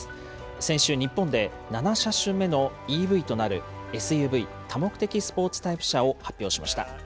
先週、日本で７車種目のＥＶとなるＳＵＶ・多目的スポーツタイプ車を発表しました。